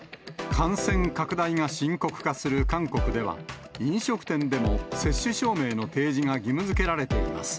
感染拡大が深刻化する韓国では、飲食店でも接種証明の提示が義務づけられています。